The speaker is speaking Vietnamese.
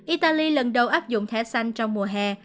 italy lần đầu áp dụng thẻ xanh trong mùa hè